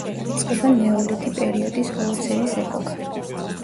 იწყება ნეოლითი პერიოდის ჰოლოცენის ეპოქა.